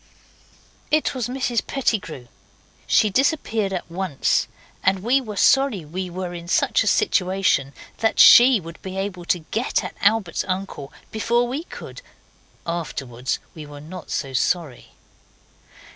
It was Mrs Pettigrew. She disappeared at once, and we were sorry we were in such a situation that she would be able to get at Albert's uncle before we could. Afterwards we were not so sorry.